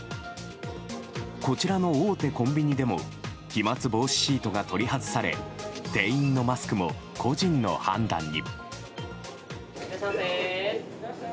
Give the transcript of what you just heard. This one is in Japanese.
こちらの大手コンビニでも飛沫防止シートが取り外され店員のマスクも個人の判断に。